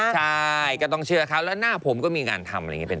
ใช่ก็ต้องเชื่อเขาแล้วหน้าผมก็มีงานทำอะไรอย่างนี้เป็น